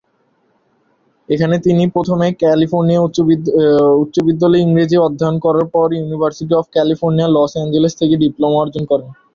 এখানে তিনি প্রথমে ক্যালিফোর্নিয়া উচ্চ বিদ্যালয়ে ইংরেজি অধ্যয়ন করার পর university of California, Los Angeles থেকে ডিপ্লোমা অর্জন করেন।